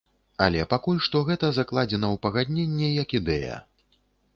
Але пакуль што гэта закладзена ў пагадненне як ідэя.